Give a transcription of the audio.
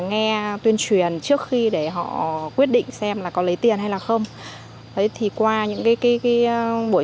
nghe tuyên truyền trước khi để họ quyết định xem là có lấy tiền hay là không thì qua những cái buổi